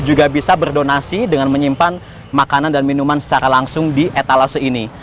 juga bisa berdonasi dengan menyimpan makanan dan minuman secara langsung di etalase ini